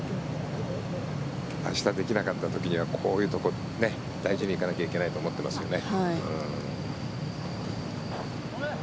明日できなかった時にはこういうところ大事に行かなきゃいけないと思ってますよね。